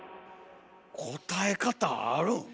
答え方あるん？